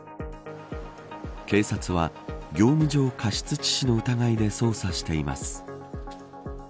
警察は業務上過失致死の疑いで捜査しています。